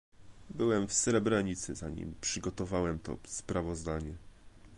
Byłem w Srebrenicy zanim przygotowałem to sprawozdanie